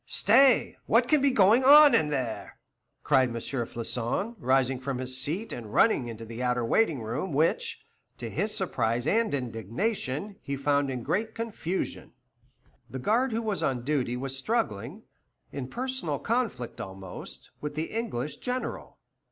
Stay, what can be going on in there?" cried M. Floçon, rising from his seat and running into the outer waiting room, which, to his surprise and indignation, he found in great confusion. The guard who was on duty was struggling, in personal conflict almost, with the English General.